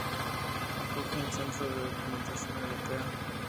Acoge un centro de documentación europea.